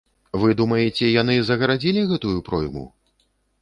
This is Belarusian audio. Вы думаеце, яны загарадзілі гэтую пройму?